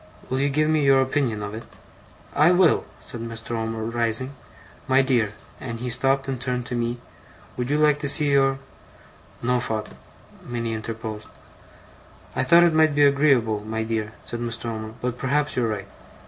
Will you give me your opinion of it?' 'I will,' said Mr. Omer, rising. 'My dear'; and he stopped and turned to me: 'would you like to see your ' 'No, father,' Minnie interposed. 'I thought it might be agreeable, my dear,' said Mr. Omer. 'But perhaps you're right.